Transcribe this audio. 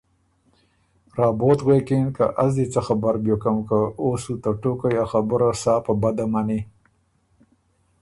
رابوت غوېکِن که از دی څۀ خبر بیوکم که او سو ته ټوقئ ا خبُره سا په بده مَنی